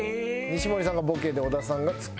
西森さんがボケで小田さんがツッコミ？